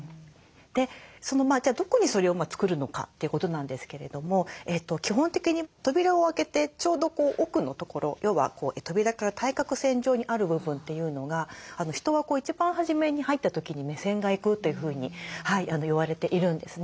じゃあどこにそれを作るのかということなんですけれども基本的に扉を開けてちょうど奥の所要は扉から対角線上にある部分というのが人が一番初めに入った時に目線がいくというふうに言われているんですね。